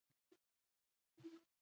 سرحدي مارکېټونو ته وړل کېږي.